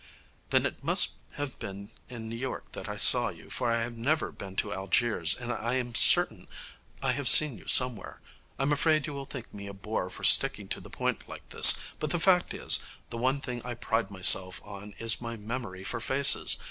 'Then it must have been in New York that I saw you, for I have never been to Algiers, and I'm certain I have seen you somewhere. I'm afraid you will think me a bore for sticking to the point like this, but the fact is, the one thing I pride myself on is my memory for faces.